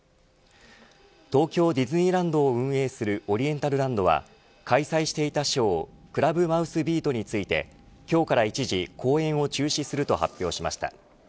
東京ディズニーランドを運営するオリエンタルランドは開催していたショークラブマウスビートについて今日から一時公演を中止すると発表しました。